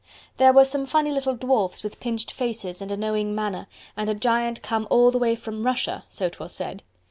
There were some funny little dwarfs with pinched faces and a knowing manner, and a giant come all the way from Russia so 'twas said.